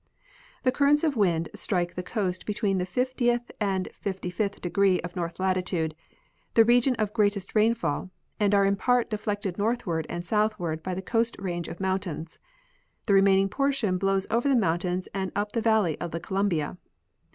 The currents of wind strike the coast between the fiftieth and fifty fifth degrees of north latitude, the region of greatest rain fall, and are in part deflected northward and southward by the Coast range of mountains ; the remaining portion blows over the mountains and up the valley of the Columbia.